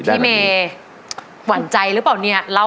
พี่เมย์หวั่นใจหรือเปล่าเนี่ย